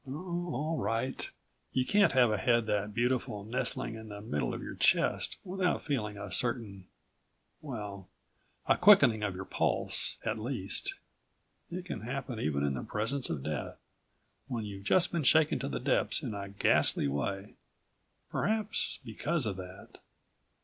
Oh, all right. You can't have a head that beautiful nestling in the middle of your chest without feeling a certain ... well, a quickening of your pulse, at least. It can happen even in the presence of death, when you've just been shaken to the depths in a ghastly way. Perhaps because of that....